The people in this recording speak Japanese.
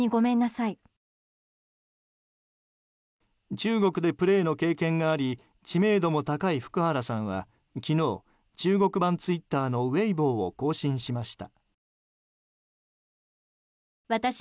中国でプレーの経験があり知名度も高い福原さんは昨日、中国版ツイッターのウェイボーを更新しました。